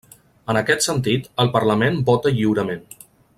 En aquest sentit, el parlament vota lliurement.